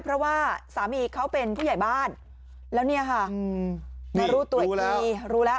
เพราะว่าสามีเขาเป็นผู้ใหญ่บ้านแล้วเนี่ยค่ะมารู้ตัวอีกทีรู้แล้ว